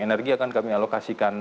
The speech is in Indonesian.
energi akan kami alokasikan